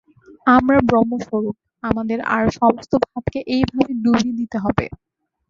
আমরা ব্রহ্মস্বরূপ, আমাদের আর সমস্ত ভাবকে এইভাবে ডুবিয়ে দিতে হবে।